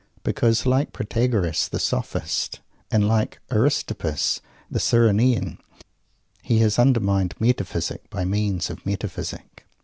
Because, like Protagoras the Sophist, and like Aristippus the Cyrenean, he has undermined Metaphysic, _by means of Metaphysic.